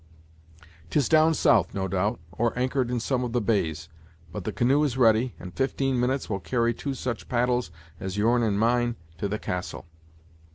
"'Tis down south, no doubt, or anchored in some of the bays. But the canoe is ready, and fifteen minutes will carry two such paddles as your'n and mine to the castle."